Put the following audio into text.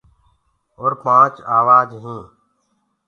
اور پآنچ آوآج هينٚ